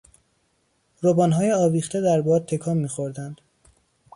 روبانهای آویخته در باد تکان میخوردند.